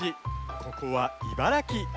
ここは茨城。